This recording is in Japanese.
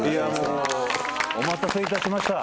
お待たせいたしました。